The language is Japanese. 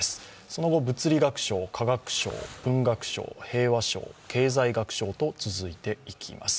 その後、物理学賞、化学賞、文学賞、平和賞、経済学賞と続いていきます。